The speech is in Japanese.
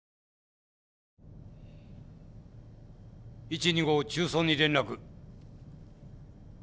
１・２号中操に連絡。